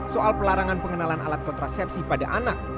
soal pelarangan pengenalan alat kontrasepsi pada anak